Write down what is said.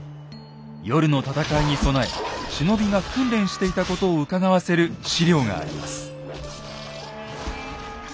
夜の戦いに備え忍びが訓練していたことをうかがわせる史料があります。